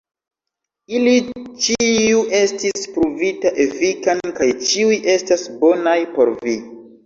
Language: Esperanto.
Ili ĉiu estis pruvita efikan kaj ĉiuj estas bonaj por vi.